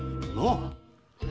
なあ！